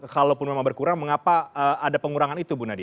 kalaupun memang berkurang mengapa ada pengurangan itu bu nadia